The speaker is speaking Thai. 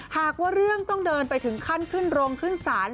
หากว่าเรื่องต้องเดินไปถึงขั้นขึ้นโรงขึ้นศาล